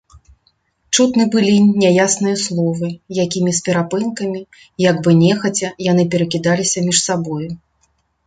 Чутны былі няясныя словы, якімі з перапынкамі, як бы нехаця, яны перакідаліся між сабою.